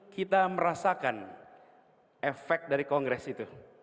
kita merasakan efek dari kongres itu